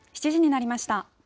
７時になりました。